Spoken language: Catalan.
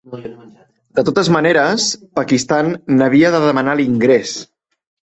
De totes maneres, Pakistan n'havia de demanar l'ingrés.